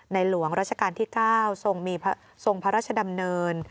ในหลวงราชการที่๙ทรงพระราชดำเนิน